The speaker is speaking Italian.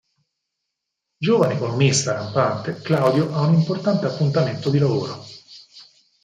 Giovane economista rampante, Claudio ha un importante appuntamento di lavoro.